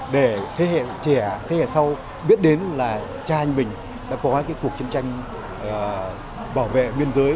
để thế hệ trẻ thế hệ sau biết đến là cha anh mình đã có cái cuộc chiến tranh bảo vệ biên giới